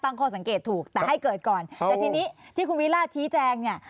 ข้อสังเกตถูกแต่ให้เกิดก่อนแต่ทีนี้ที่คุณวิราชชี้แจงเนี่ย